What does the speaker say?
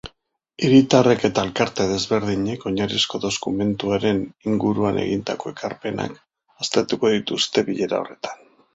Hiritarrek eta elkarte ezberdinek oinarrizko dokumentuaren inguruan egindako ekarpenak aztertuko dituzte bilera horretan.